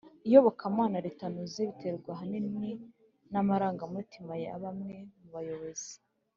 iyobokamana ritanoze bitewe ahanini n amarangamutima ya bamwe mu bayobozi